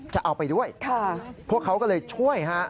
จะเอาไปด้วยพวกเขาก็เลยช่วยฮะ